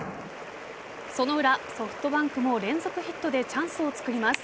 その裏、ソフトバンクも連続ヒットでチャンスを作ります。